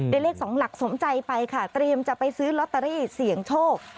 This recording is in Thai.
เลข๒หลักสมใจไปค่ะเตรียมจะไปซื้อลอตเตอรี่เสี่ยงโชค